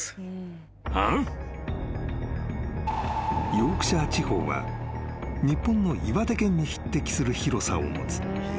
［ヨークシャー地方は日本の岩手県に匹敵する広さを持つ］